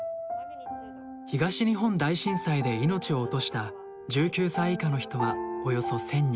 東日本大震災で命を落とした１９歳以下の人はおよそ１，０００人。